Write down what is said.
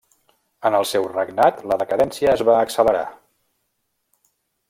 En el seu regnat la decadència es va accelerar.